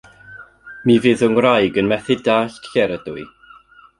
Mi fydd fy ngwraig yn methu dallt lle'r ydw i.